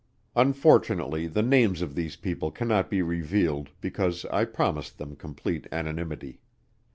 Unfortunately the names of these people cannot be revealed because I promised them complete anonymity.